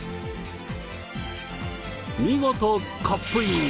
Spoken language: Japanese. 見事カップイン！